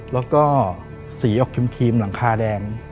แล้วก็สีออกครีมหลังคาแดง